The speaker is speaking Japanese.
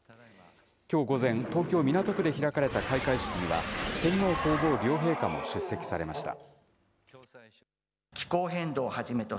きょう午前、東京・港区で開かれた開会式には、天皇皇后両陛下も出席されました。